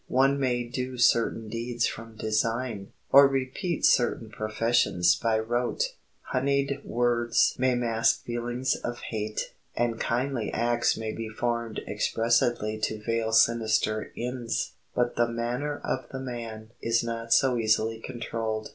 One may do certain deeds from design, or repeat certain professions by rote; honeyed words may mask feelings of hate, and kindly acts may be formed expressly to veil sinister ends, but the "manner of the man" is not so easily controlled.